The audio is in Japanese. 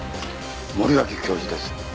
森脇教授です。